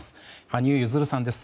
羽生結弦さんです。